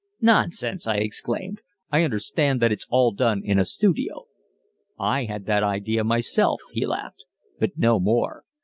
"Nonsense!" I exclaimed. "I understand that it's all done in a studio." "I had the idea myself," he laughed. "But no more.